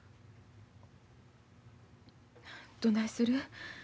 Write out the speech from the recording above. どないする？